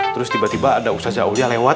terus tiba tiba ada ustadz zauliah lewat